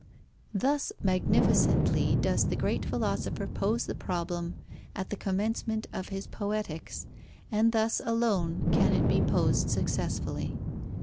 Thus magnificently does the great philosopher pose the problem at the commencement of his Poetics, and thus alone can it be posed successfully.